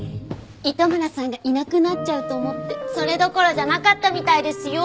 糸村さんがいなくなっちゃうと思ってそれどころじゃなかったみたいですよ。